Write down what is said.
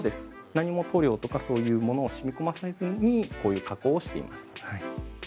何も塗料とかそういうものを染み込ませずにこういう加工をしています。